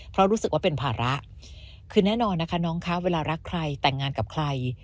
เพราะรู้สึกว่าเป็นภาระคือแน่นอนนะคะน้องคะเวลารักใครแต่งงานกับใคร